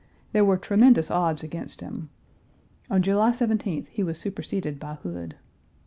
There were tremendous odds against him. On July 17th he was superseded by Hood.